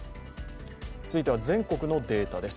続いては全国のデータです。